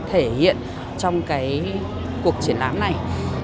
thể hiện trong cái cuộc triển lãm này